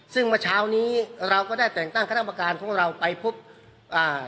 ซึ่งเมื่อเช้านี้เราก็ได้แต่งตั้งคณะประการของเราไปพบอ่า